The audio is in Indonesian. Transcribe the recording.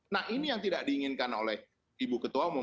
nah ini yang tidak diinginkan oleh ibu ketua umum